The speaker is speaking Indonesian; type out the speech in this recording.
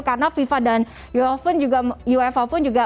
karena fifa dan wfh pun juga